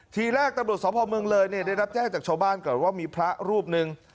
ทีแรกตะบลกสอบอำเภอเมืองเลยได้รับแจ้งจากชาวบ้านก่อนว่ามีพระรูปหนึ่ง